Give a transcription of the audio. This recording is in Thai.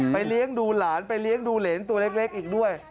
เลี้ยงดูหลานไปเลี้ยงดูเหรนตัวเล็กอีกด้วย